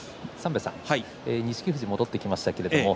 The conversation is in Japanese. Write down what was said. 錦富士、戻ってきました。